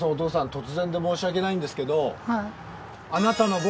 突然で申し訳ないんですけど。